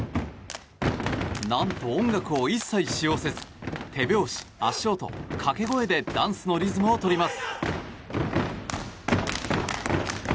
何と音楽を一切使用せず手拍子、足音掛け声でダンスのリズムをとります。